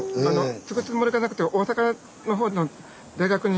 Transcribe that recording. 継ぐつもりがなくて大阪の方の大学に。